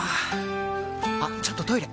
あっちょっとトイレ！